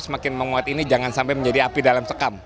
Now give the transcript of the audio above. semakin menguat ini jangan sampai menjadi api dalam sekam